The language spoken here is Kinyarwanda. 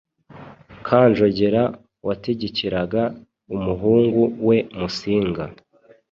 Kanjogera wategekeraga umuhungu we Musinga